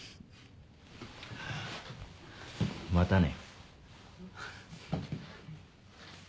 またね。